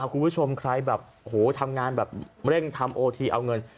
คุณผู้ชมใครแบบทำงานแบบเร่งทำโอทีเอาเงิน